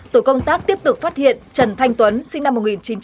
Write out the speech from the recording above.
tổ công tác tiếp tục phát hiện trần thanh tuấn sinh năm một nghìn chín trăm bảy mươi năm